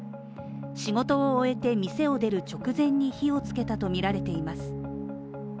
仕事を終えて店を出る直前に火をつけたとみられています。